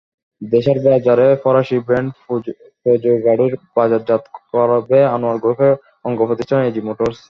দেশের বাজারে ফরাসি ব্র্যান্ড পঁজো গাড়ির বাজারজাত করবে আনোয়ার গ্রুপের অঙ্গপ্রতিষ্ঠান এজি মোটরস।